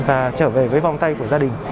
và trở về với vòng tay của gia đình